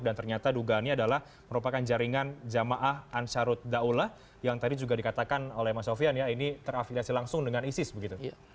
ternyata dugaannya adalah merupakan jaringan jamaah ansarut daulah yang tadi juga dikatakan oleh mas sofian ya ini terafiliasi langsung dengan isis begitu